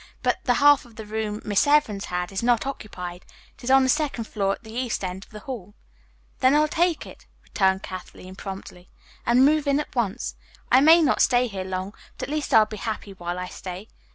But the half of the room Miss Evans had is not occupied. It is on the second floor at the east end of the hall." "Then I'll take it," returned Kathleen promptly, "and move in at once. I may not stay here long, but at least I'll be happy while I stay.